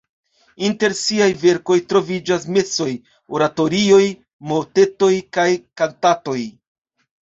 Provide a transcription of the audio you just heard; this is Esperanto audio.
Inter siaj verkoj troviĝas mesoj, oratorioj, motetoj kaj kantatoj.